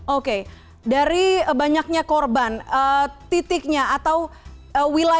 oke dari banyaknya korban titiknya atau wilayah